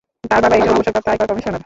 তার বাবা একজন অবসরপ্রাপ্ত আয়কর কমিশনার।